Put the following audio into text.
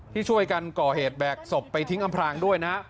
ที่ช่วยกันก่อเหตุแบกศพไปทิ้งอำพรางด้วยนะฮะ